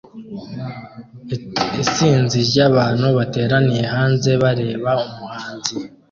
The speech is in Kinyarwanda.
Isinzi ryabantu bateraniye hanze bareba umuhanzi